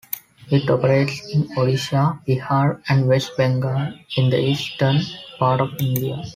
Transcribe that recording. It operates in Odisha, Bihar and West Bengal, in the eastern part of India.